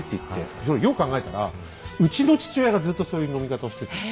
それよく考えたらうちの父親がずっとそういう飲み方をしてたんです。